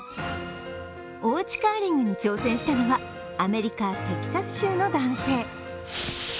おうちカーリングに挑戦したのはアメリカ・テキサス州の男性。